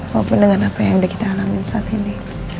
walaupun dengan apa yang udah kita alamin saat ini